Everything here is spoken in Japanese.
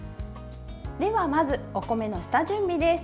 では、まずお米の下準備です。